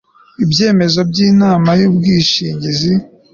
ibyemezo by inama y ubwishingizi